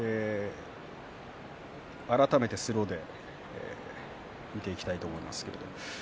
改めてスローで見ていきたいと思います。